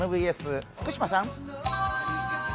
ＭＢＳ福島さん。